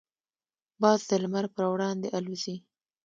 باز د لمر پر وړاندې الوزي.